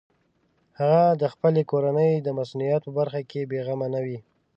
هغه د خپلې کورنۍ مصونیت په برخه کې بېغمه نه وي.